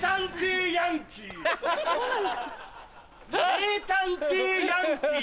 名探偵ヤンキー。